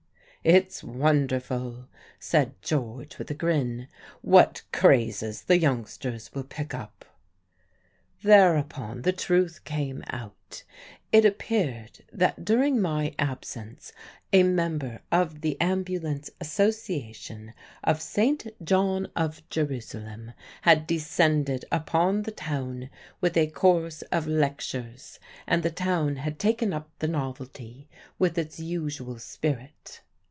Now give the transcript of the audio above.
"It's wonderful," said George, with a grin, "what crazes the youngsters will pick up." Thereupon the truth came out. It appeared that during my absence a member of the Ambulance Association of St. John of Jerusalem had descended upon the town with a course of lectures, and the town had taken up the novelty with its usual spirit.